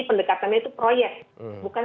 pendekatannya itu proyek bukan